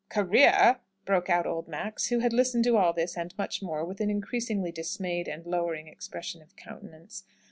"Career!" broke out old Max, who had listened to all this, and much more, with an increasingly dismayed and lowering expression of countenance.